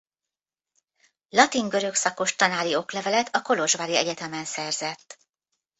Latin–görög szakos tanári oklevelet a kolozsvári egyetemen szerzett.